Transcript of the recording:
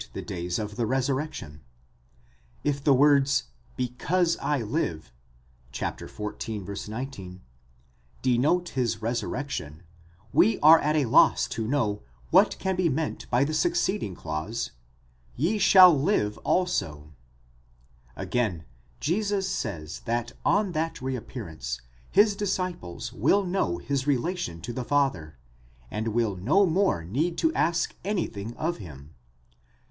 the days of the resurrection, If the words decause I live, ὅτι ἐγὼ ζῶ (xiv. 19), denote his resurrection, we are at a loss to know what can be meant by the succeeding clause, ye shall live also, καὶ ὑμεῖς ζήσεσθε. Again, Jesus says that on that reappearance his disciples will know his relation to the Father, and will no more need to ask anything of him (xiv.